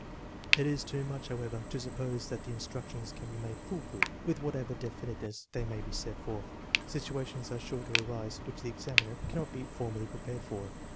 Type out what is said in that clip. It is too much, however, to suppose that the instructions can be made " fool proof." With whatever definiteness they may be set forth, situations are sure to arise which the examiner cannot be formally prepared for.